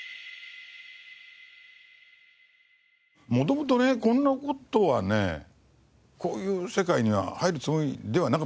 元々ねこんな事はねこういう世界には入るつもりではなかったです